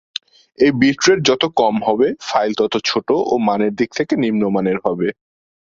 এই bit rate যত কম হবে ফাইল তত ছোটো ও মানের দিক থেকে নিম্নমানের হবে।